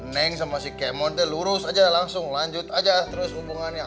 nek sama si kemod itu lurus aja langsung lanjut aja terus hubungannya